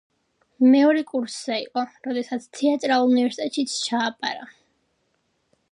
მეორე კურსზე იყო, როდესაც თეატრალურ უნივერსიტეტშიც ჩააბარა.